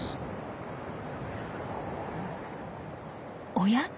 おや？